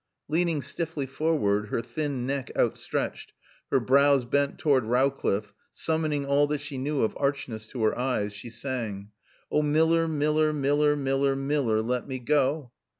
Leaning stiffly forward, her thin neck outstretched, her brows bent toward Rowcliffe, summoning all that she knew of archness to her eyes, she sang. "Oh miller, miller, miller, miller, miller, let me go!"